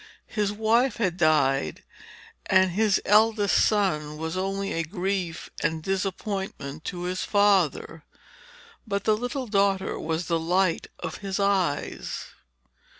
His wife had died, and his eldest son was only a grief and disappointment to his father, but the little daughter was the light of his eyes.